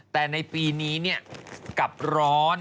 แต่ในปีนี้กลับร้อน